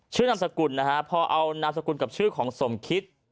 นามสกุลนะฮะพอเอานามสกุลกับชื่อของสมคิด